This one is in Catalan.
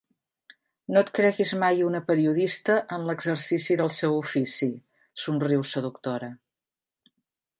No et creguis mai una periodista en l'exercici del seu ofici! —somriu, seductora—.